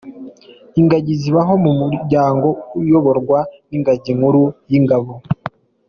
Ingagi zibaho mu muryango, ukayoborwa n’ingagi nkuru y’ingabo.